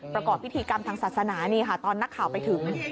ประกอบพิธีกรรมทางศาสนานี่ค่ะตอนนักข่าวไปถึง